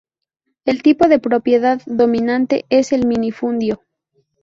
El tipo de propiedad dominante es el minifundio.